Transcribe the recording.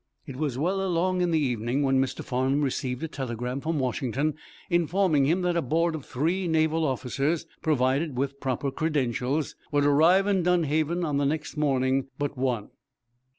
'" It was well along in the evening when Mr. Farnum received a telegram from Washington, informing him that a board of three Naval officers, provided with proper credentials, would arrive in Dunhaven on the next morning but one.